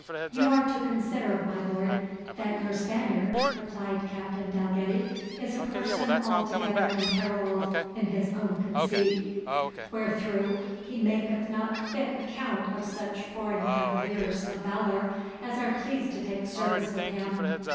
"You are to consider, my lord, that your Spaniard," replied Captain Dalgetty, "is a person altogether unparalleled in his own conceit, where through he maketh not fit account of such foreign cavaliers of valour as are pleased to take service with him.